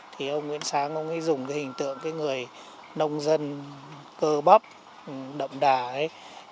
thì ông nguyễn sáng ông ấy dùng cái hình tượng cái người nông dân cơ bắp đậm đà ấy